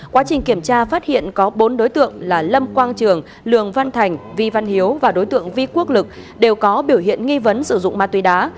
quá trình kiểm tra phát hiện có bốn đối tượng là lâm quang trường lường văn thành vi văn hiếu và đối tượng vi quốc lực đều có biểu hiện nghi vấn sử dụng ma túy đá